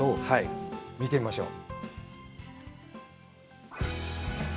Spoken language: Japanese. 見てみましょう。